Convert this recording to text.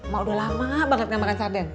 mah udah lama banget gak makan sarden